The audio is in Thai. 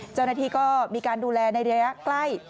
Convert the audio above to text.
เจ้าหน้าที่ก็มีการดูแลในระยะใกล้